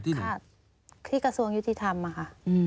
ค่ะที่กระทรวงยุติธรรมค่ะ